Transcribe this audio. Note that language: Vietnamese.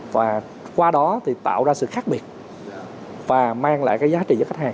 và qua đó thì tạo ra sự khác biệt và mang lại cái giá trị cho khách hàng